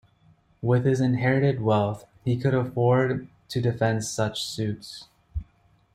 With his inherited wealth, he could afford to defend such suits.